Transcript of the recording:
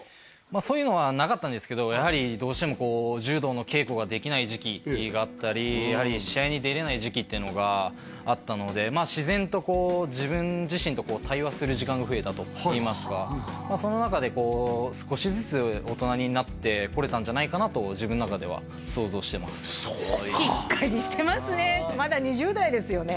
そういうのはなかったんですけどやはりどうしてもこう柔道の稽古ができない時期があったりやはり試合に出れない時期っていうのがあったのでまあ自然とこう自分自身と対話する時間が増えたといいますかその中でこうんじゃないかなと自分の中では想像してますそうかしっかりしてますねまだ２０代ですよね？